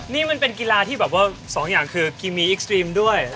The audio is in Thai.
นี่มันเป็นกีฬาที่แบบว่าสองอย่างคือกีมีอิสตรีมด้วย